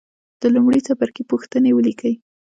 د لومړي څپرکي پوښتنې ولیکئ.